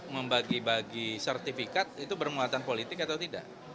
membagi bagi sertifikat itu bermuatan politik atau tidak